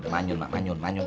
manyun mak manyun